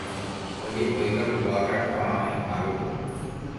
Oje'ói karugua kakuaa oĩha gotyo.